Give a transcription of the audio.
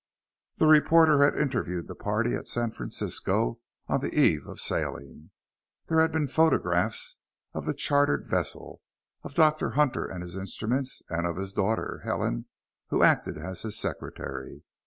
The reporter had interviewed the party at San Francisco, on the eve of sailing. There had been photographs of the chartered vessel, of Dr. Hunter and his instruments, and of his daughter, Helen, who acted as his secretary.